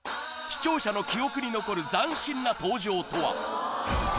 視聴者の記憶に残る斬新な登場とは。